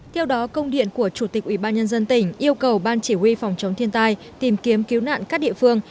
theo đó công điện của chủ tịch ubnd tỉnh yêu cầu ban chỉ huy phòng chống thiên tai tìm kiếm cứu nạn các địa phương